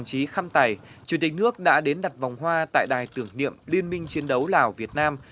chủ tịch nước đã đến đặt vòng hoa tại đài tưởng niệm liên minh chiến đấu lào việt nam